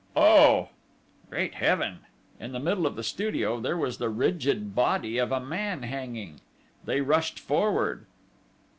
"Oh!..." "Great Heaven!..." In the very middle of the studio, there was the rigid body of a man hanging. They rushed forward....